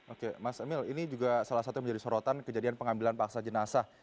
oke mas emil ini juga salah satu yang menjadi sorotan kejadian pengambilan paksa jenazah yang terjadi di jawa timur